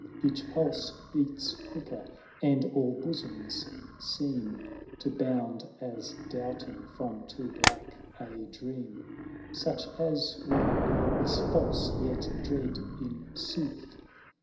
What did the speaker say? Each pulse beats quicker, and all bosonis seem Ore To bound as doubting from too black a dream. Such as we know is false, yet dread in sooth.